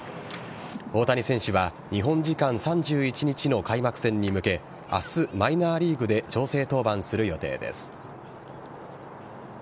大谷選手は日本時間３１日の開幕戦に向け明日、マイナーリーグで調整登板する予定です。